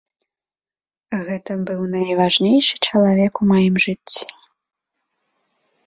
Гэта быў найважнейшы чалавек у маім жыцці.